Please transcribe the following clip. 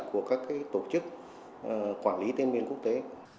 của các tổ chức quản lý tên miền quốc tế